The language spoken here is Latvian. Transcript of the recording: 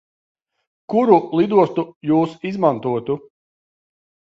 Kuru lidostu Jūs izmantotu?